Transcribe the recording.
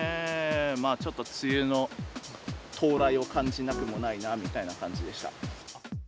まあ、ちょっと梅雨の到来を感じなくもないなみたいな感じでした。